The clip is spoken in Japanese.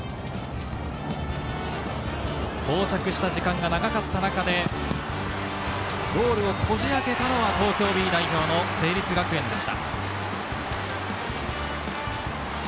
こう着した時間が長かった中で、ゴールをこじあけたのは東京Ｂ代表の成立学園でした。